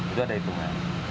itu ada hitungan